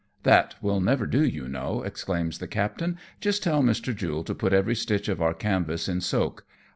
''That will never do, you know," exclaims the captain, "just tell Mr. Jule to put every stitch of our canvas in soak.